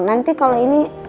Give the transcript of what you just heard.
nanti kalau ini